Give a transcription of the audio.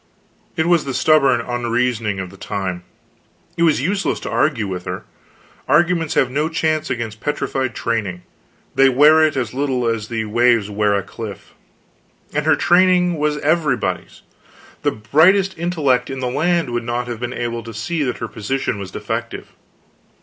It was the stubborn unreasoning of the time. It was useless to argue with her. Arguments have no chance against petrified training; they wear it as little as the waves wear a cliff. And her training was everybody's. The brightest intellect in the land would not have been able to see that her position was defective.